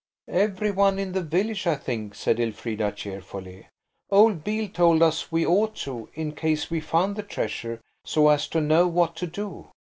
"Every one in the village, I think," said Elfrida cheerfully. "Old Beale told us we ought to–in case we found the treasure–so as to know what to do.